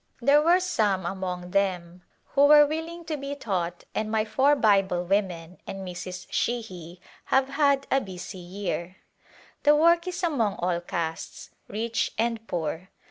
There General Work were some among them who were willing to be taught and my four Bible women and Mrs. Sheahy have had a busy year. The work is among all castes, rich and poor.